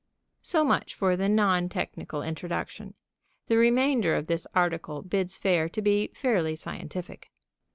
So much for the non technical introduction. The remainder of this article bids fair to be fairly scientific.